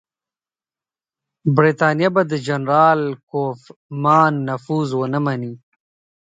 برټانیه به د جنرال کوفمان نفوذ ونه مني.